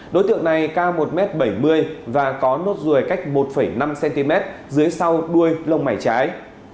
đối tượng này cao một m bảy mươi và có nốt ruồi cách một năm cm dưới sau đuôi lông mày trái